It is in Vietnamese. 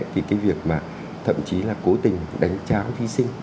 thì cái việc mà thậm chí là cố tình đánh tráng thí sinh